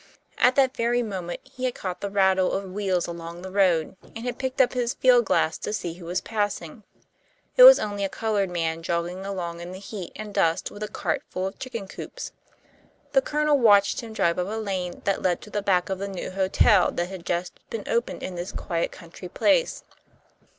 At that very moment he had caught the rattle of wheels along the road, and had picked up his field glass to see who was passing. It was only a coloured man jogging along in the heat and dust with a cart full of chicken coops. The Colonel watched him drive up a lane that led to the back of the new hotel that had just been opened in this quiet country place.